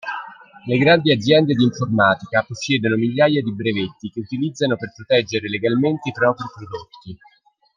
Le grandi aziende di informatica possiedono migliaia di brevetti che utilizzano per proteggere legalmente i propri prodotti.